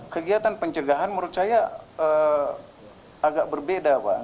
kegiatan pencegahan menurut saya agak berbeda pak